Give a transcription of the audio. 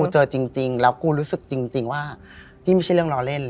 เจอจริงแล้วกูรู้สึกจริงว่านี่ไม่ใช่เรื่องล้อเล่น